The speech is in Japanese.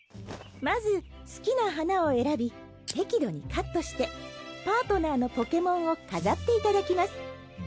まず好きな花を選び適度にカットしてパートナーのポケモンを飾っていただきます。